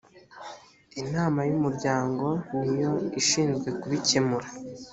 inama y umuryango ni yo ishinzwe kubikemura